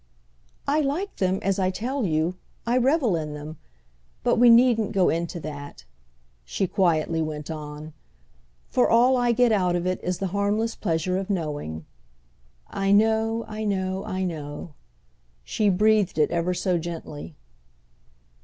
"I like them, as I tell you—I revel in them. But we needn't go into that," she quietly went on; "for all I get out of it is the harmless pleasure of knowing. I know, I know, I know!"—she breathed it ever so gently.